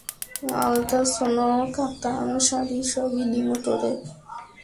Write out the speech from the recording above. আলতা ছোনো, কাতান সারি সবই দিমু তোরে।